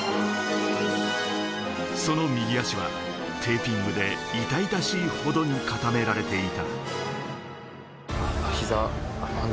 その右足はテーピングで痛々しいほどに固められていた。